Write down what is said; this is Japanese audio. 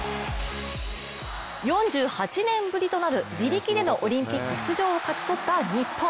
４８年ぶりとなる自力でのオリンピック出場を勝ち取った日本。